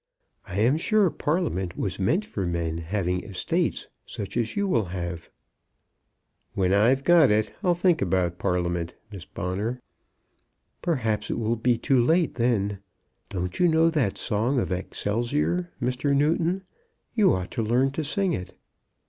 I am sure Parliament was meant for men having estates such as you will have." "When I've got it, I'll think about Parliament, Miss Bonner." "Perhaps it will be too late then. Don't you know that song of 'Excelsior,' Mr. Newton? You ought to learn to sing it."